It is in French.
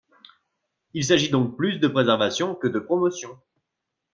Il s’agit donc plus de préservation que de promotion.